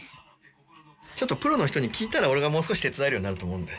ちょっとプロの人に聞いたら俺がもう少し手伝えるようになると思うんで。